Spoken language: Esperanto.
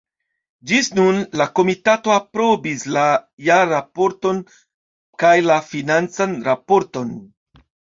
Ĝis nun la komitato aprobis la jarraporton kaj la financan raporton.